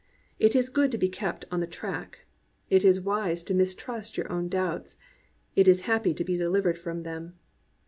It is good to be kept on the track. It is wise to mis trust your own doubts. It is happy to be delivered from them.